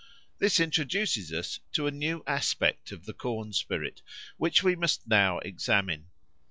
This introduces us to a new aspect of the corn spirit, which we must now examine.